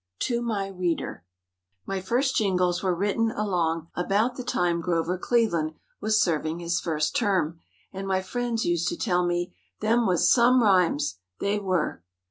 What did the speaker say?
TO MY READER: My first jingies were written along about the time Grover Cleveland was serving his first term, and my friends used to tell me: "Them was some rhymes!"—they were.